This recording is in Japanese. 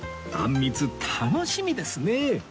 あんみつ楽しみですねえ